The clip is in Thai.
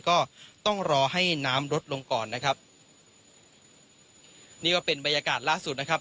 ก็ต้องรอให้น้ำลดลงก่อนนะครับนี่ก็เป็นบรรยากาศล่าสุดนะครับ